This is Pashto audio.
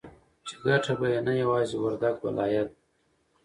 چې گټه به يې نه يوازې وردگ ولايت